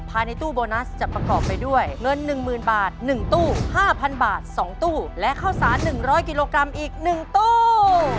ภายในตู้โบนัสจะประกอบไปด้วยเงิน๑๐๐๐บาท๑ตู้๕๐๐บาท๒ตู้และข้าวสาร๑๐๐กิโลกรัมอีก๑ตู้